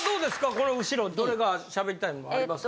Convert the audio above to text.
この後ろどれか喋りたいのありますか？